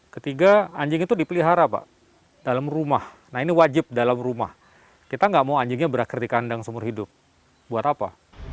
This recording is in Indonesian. ketiga anjing itu dipelihara pak dalam rumah nah ini wajib dalam rumah kita nggak mau anjingnya berakhir di kandang seumur hidup buat apa